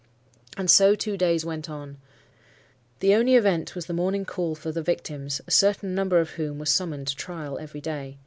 And so two days went on. The only event was the morning call for the victims, a certain number of whom were summoned to trial every day.